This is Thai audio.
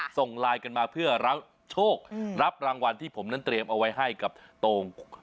ส่งไลน์กันมาเพื่อรับโชครับรางวัลที่ผมนั้นเตรียมเอาไว้ให้กับโตง